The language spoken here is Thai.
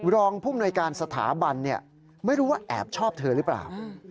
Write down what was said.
รองภูมิหน่วยการสถาบันไม่รู้ว่าแอบชอบเธอหรือเปล่า